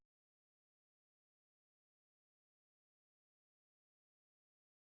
ada salah satu anggota yaitu dia yang bernama pebah